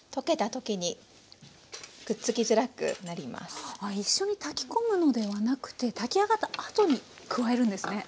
あ一緒に炊き込むのではなくて炊き上がったあとに加えるんですね。